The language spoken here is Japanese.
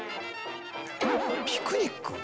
ピクニック？